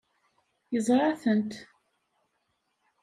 Yeẓra-tent.